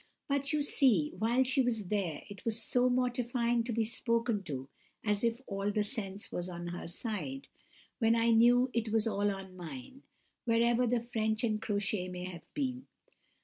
But, you see, while she was there, it was so mortifying to be spoken to as if all the sense was on her side, when I knew it was all on mine, wherever the French and crochet may have been.